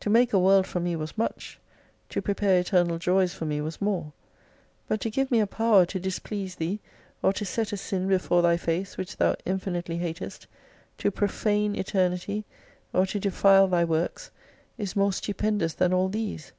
To make a world for me was much, to prepare eternal joys for me was more. But to give me a power to displease thee, or to set a sin before Thy face, which Thou infinitely hatest, to profane Eternity, or to defile Thy works, is more stupendous than all these.